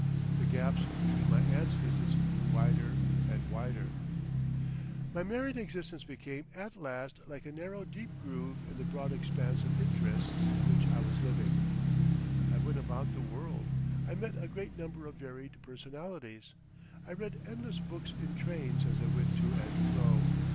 The gaps between my aunt's visits grew wider and wider. My married existence became at last like a narrow deep groove in the broad expanse of interests in which I was living. I went about the world; I met a great number of varied personalities; I read endless books in trains as I went to and fro.